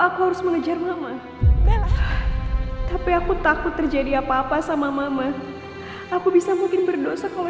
aku harus mengejar mama tapi aku takut terjadi apa apa sama mama aku bisa mungkin berdosa kalau